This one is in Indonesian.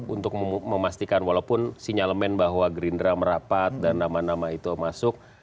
untuk memastikan walaupun sinyalemen bahwa gerindra merapat dan nama nama itu masuk